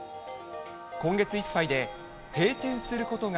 今月いっぱいで、閉店することが